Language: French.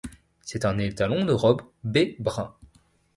C'est un étalon de robe bai-brun.